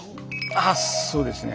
あっそうですね。